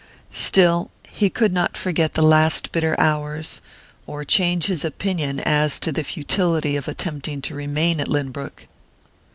Still, he could not forget the last bitter hours, or change his opinion as to the futility of attempting to remain at Lynbrook.